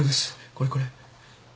これこれ。